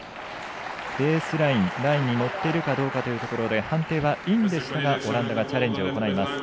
ベースラインに乗っているかどうかというところで判定はインでしたがオランダがチャレンジを行います。